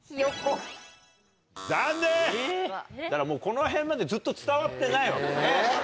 だからもうこの辺までずっと伝わってないわもうね。